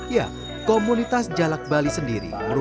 ya komunitas jalak bali sendiri